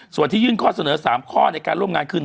ส่วนที่ยื่นข้อเสนอ๓ข้อในการร่วมงานคือ